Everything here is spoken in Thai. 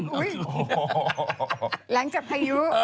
โอ้โหหหลังจากไพรู้